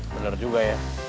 bener juga ya